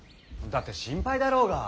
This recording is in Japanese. だって心配だろうが。